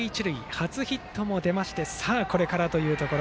初ヒットも出ましてこれからというところ。